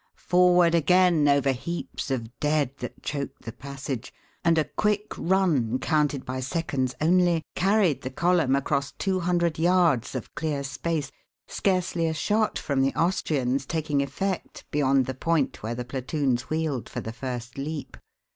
Forward again over heaps of dead that choked the passage, and a quick run counted by seconds only carried the column across two hundred yards of clear space, scarcely a shot from the Austrians taking effect beyond the point where the platoons wheeled for the first leap.